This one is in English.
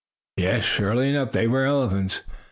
Yes, surely enough, they were elephants.